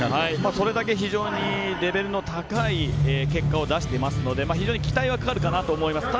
それだけ非常にレベルの高い結果を出しているので期待はかかるかなと思います。